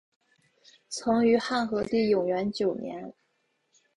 曾于汉和帝永元九年。